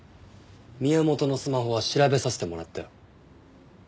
宮本のスマホは調べさせてもらったよ。